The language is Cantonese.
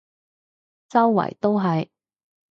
周圍都係